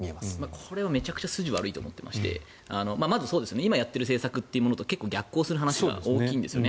これはめちゃくちゃ筋が悪いと思っていましてまず、今やってる政策と逆行する話が大きいんですね。